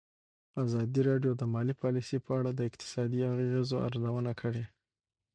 ازادي راډیو د مالي پالیسي په اړه د اقتصادي اغېزو ارزونه کړې.